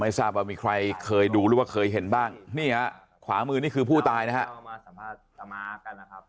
ทราบว่ามีใครเคยดูหรือว่าเคยเห็นบ้างนี่ฮะขวามือนี่คือผู้ตายนะฮะ